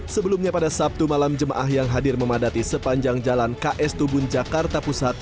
sebelumnya pada sabtu malam jemaah yang hadir memadati sepanjang jalan ks tubun jakarta pusat